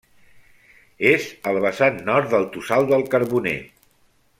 És al vessant nord del Tossal del Carboner.